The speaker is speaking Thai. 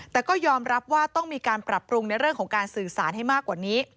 แต่ก็ยอมรับว่าต้องมีการปรับปรุงในเรื่องของการสื่อสารให้มากกว่านี้